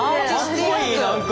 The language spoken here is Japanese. かっこいい何か。